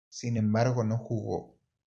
Sin embargo no jugó.